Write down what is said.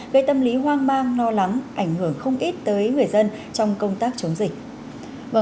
gây tâm lý hoang mang lo lắng ảnh hưởng không ít tới người dân trong công tác chống dịch